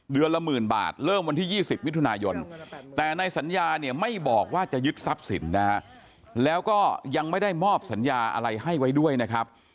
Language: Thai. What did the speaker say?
ละหมื่นบาทเริ่มวันที่๒๐มิถุนายนแต่ในสัญญาเนี่ยไม่บอกว่าจะยึดทรัพย์สินนะฮะแล้วก็ยังไม่ได้มอบสัญญาอะไรให้ไว้ด้วยนะครับ